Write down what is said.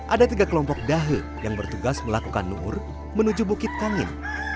ada tiga kelompok dahe yang bertugas melakukan nuhur menuju bukit kangen